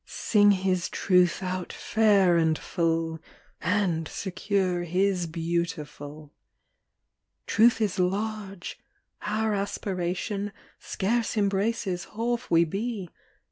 Sing His Truth out fair and full, And secure His beautiful. Truth is large. Our aspiration Scarce embraces half we be.